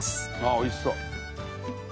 おいしそう！